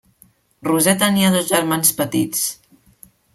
Roser tenia dos germans petits: